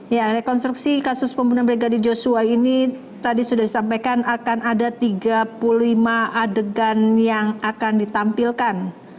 ya rekonstruksi kasus pembunuhan brigadir joshua ini tadi sudah disampaikan akan ada tiga puluh lima adegan yang akan ditampilkan